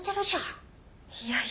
いやいや。